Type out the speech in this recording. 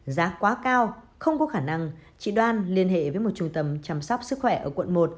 giá quá cao không có khả năng chị đoan liên hệ với một trung tâm chăm sóc sức khỏe ở quận một